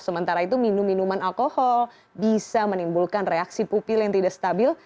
sementara itu minum minuman alkohol bisa menimbulkan reaksi pupil yang tidak stabil